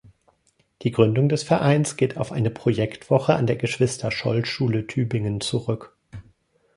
Die Gründung des Vereins geht auf eine Projektwoche an der Geschwister-Scholl-Schule Tübingen zurück.